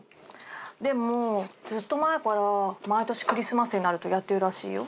でもずっと前から毎年クリスマスになるとやってるらしいよ。